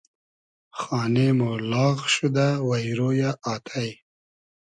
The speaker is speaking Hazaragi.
خانې مۉ لاغ شودۂ وݷرۉ یۂ آتݷ